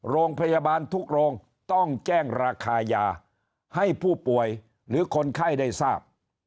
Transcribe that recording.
โรงพยาบาลทุกโรงต้องแจ้งราคายาให้ผู้ป่วยหรือคนไข้ได้ทราบ